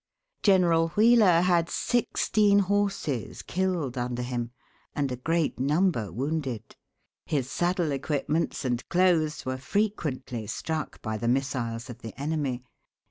General Wheeler had sixteen horses killed under him, and a great number wounded. His saddle equipments and clothes were frequently struck by the missiles of the enemy.